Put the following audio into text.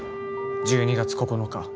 １２月９日